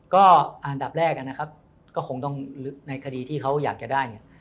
ก็อันดับแรกนะครับก็คงต้องลึกในคดีที่เขาอยากจะได้เนี่ย